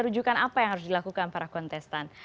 rujukan apa yang harus dilakukan para kontestan